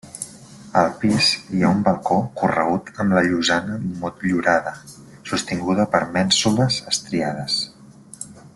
Al pis hi ha un balcó corregut amb la llosana motllurada sostinguda per mènsules estriades.